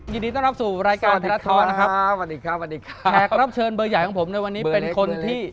ยินดีต้อนรับสู่รายการแทรกท้อนนะครับแขกรับเชิญเบอร์ใหญ่ของผมในวันนี้เป็นคนที่